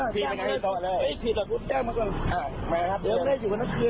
พี่กำลังให้โต๊ะเลย